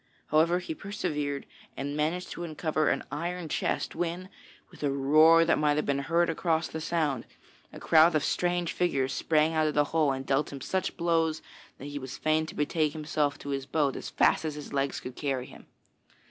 However, he persevered and managed to uncover an iron chest when, with a roar that might have been heard across the Sound, a crowd of strange figures sprang out of the hole and dealt him such blows that he was fain to betake himself to his boat as fast as his legs could carry him.